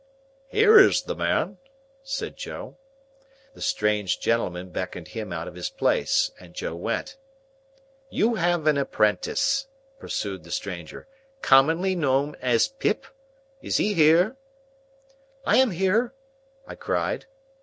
"Here is the man," said Joe. The strange gentleman beckoned him out of his place, and Joe went. "You have an apprentice," pursued the stranger, "commonly known as Pip? Is he here?" "I am here!" I cried.